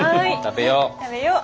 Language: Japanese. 食べよう。